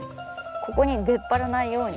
ここに出っ張らないように。